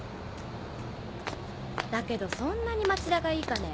だけどそんなに町田がいいかね。